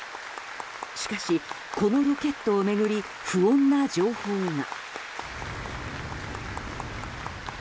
しかし、このロケットを巡り不穏な情報が。